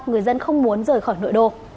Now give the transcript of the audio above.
người dân không muốn rời khỏi nội đô